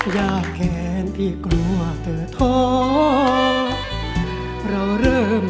อยากแทนพี่กลัวเติบแทน